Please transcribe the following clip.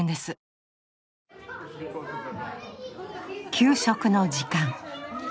給食の時間。